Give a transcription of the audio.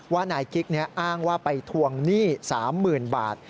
ว่านายกิ๊กอ้างว่าไปทวงหนี้๓๐๐๐บาท